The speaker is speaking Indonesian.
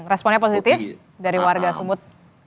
responnya positif dari warga sumut